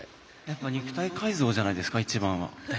肉体改造じゃないですか一番は。